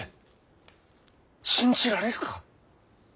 信じられるか？